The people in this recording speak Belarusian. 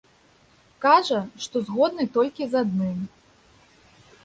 Кажа, што згодны толькі з адным.